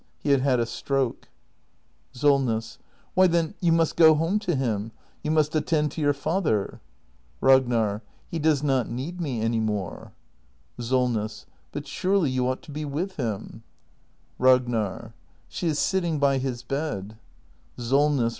He had had a stroke. 410 THE MASTER BUILDER [act hi SOLNESS. Why, then, you must go home to him! You must at tend to your father! Ragnab. He does not need me any more. SOLNESS. But surely you ought to be with him. Ragnar. S h e is sitting by his bed. Solness.